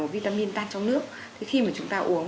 vitamin tan trong nước khi mà chúng ta uống